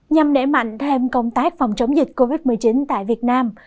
nhằm đẩy mạnh thêm công tác phòng chống dịch covid một mươi chín tại việt nam